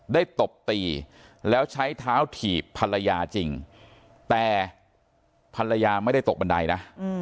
ตบตีแล้วใช้เท้าถีบภรรยาจริงแต่ภรรยาไม่ได้ตกบันไดนะ